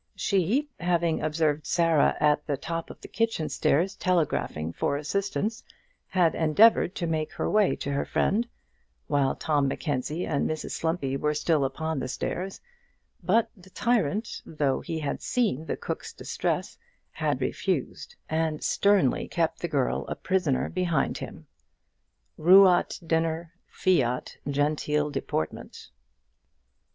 She having observed Sarah at the top of the kitchen stairs telegraphing for assistance, had endeavoured to make her way to her friend while Tom Mackenzie and Mrs Slumpy were still upon the stairs; but the tyrant, though he had seen the cook's distress, had refused and sternly kept the girl a prisoner behind him. Ruat dinner, fiat genteel deportment.